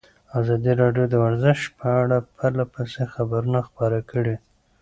ازادي راډیو د ورزش په اړه پرله پسې خبرونه خپاره کړي.